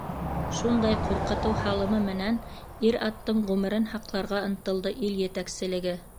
Шундай ҡурҡытыу һалымы менән ир-аттың ғүмерен һаҡларға ынтылды ил етәкселеге.